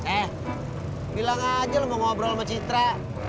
eh bilang aja lo mau ngobrol sama citra